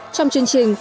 trong chương trình